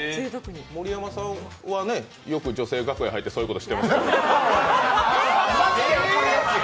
盛山さんはよく女性の楽屋に入ってそういうことしてましたけど。